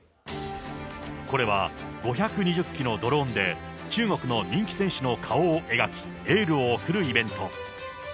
これは、５２０機のドローンで、中国の人気選手の顔を描きエールを送るイベント。